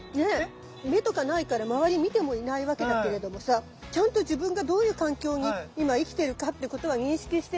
目とかないから周り見てもいないわけだけれどもさちゃんと自分がどういう環境に今生きてるかってことは認識してて。